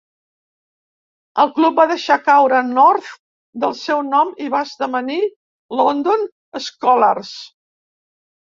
El club va deixar caure "North" del seu nom i va esdevenir "London Skolars".